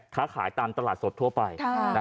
ค้าขายตามตลาดสดทั่วไป